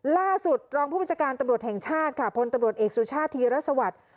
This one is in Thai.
ล่าสุดรองผู้บัญชาการตำรวจแห่งชาติค่ะพลตำรวจเอกสุชาติธีรสวัสดิ์